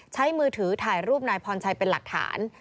มือถือถ่ายรูปนายพรชัยเป็นหลักฐาน